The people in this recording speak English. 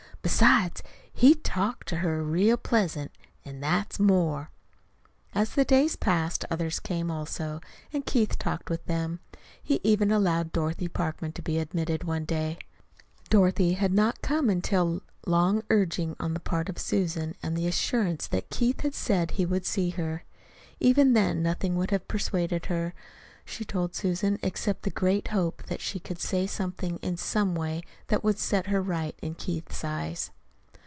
"Besides, he talked to her real pleasant an' that's more." As the days passed, others came, also, and Keith talked with them. He even allowed Dorothy Parkman to be admitted one day. [Illustration: HE GAVE HER ALMOST NO CHANCE TO SAY ANYTHING HERSELF] Dorothy had not come until after long urging on the part of Susan and the assurance that Keith had said he would see her. Even then nothing would have persuaded her, she told Susan, except the great hope that she could say something, in some way, that would set her right in Keith's eyes.